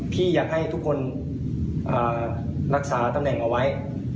พี่อยากให้ทุกคนรักษาตำแหน่งเอาไว้